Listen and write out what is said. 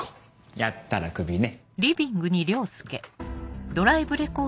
やったらクビね。